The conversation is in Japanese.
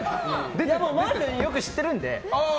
でも、和田君よく知ってるんで。